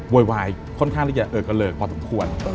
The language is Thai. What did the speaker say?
โวยวายค่อนข้างที่จะเออกระเลิกพอสมควร